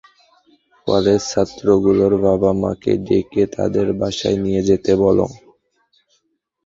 College ছাত্রগুলোর বাবা-মাকে ডেকে তাদের বাসায় নিয়ে যেতে বলো।